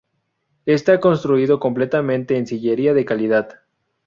Está construido completamente en sillería de calidad.